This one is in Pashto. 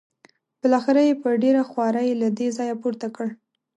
بالاخره یې په ډېره خوارۍ له دې ځایه پورته کړ.